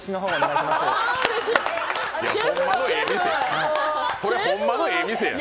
いや、ホンマのええ店や。